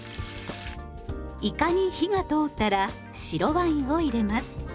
いかに火が通ったら白ワインを入れます。